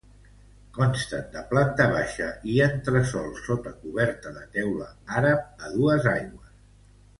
Consten de planta baixa i entresòl sota coberta de teula àrab a dues aigües.